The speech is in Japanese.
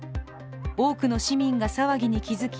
多くの市民が騒ぎに気付き